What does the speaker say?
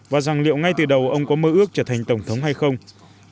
và rằng liệu ngay từ đầu ông có mơ ước trở thành tổng thống nga